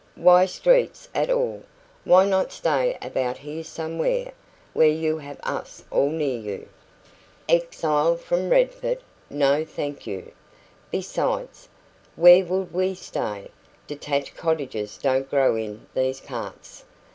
"Why streets at all? Why not stay about here somewhere, where you have us all near you?" "Exiled from Redford? No, thank you. Besides, where could we stay? Detached cottages don't grow in these parts."